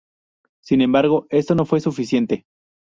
Sin embargo, esto no fue suficiente.